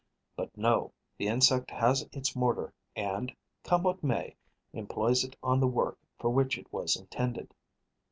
But no: the insect has its mortar and, come what may, employs it on the work for which it was intended.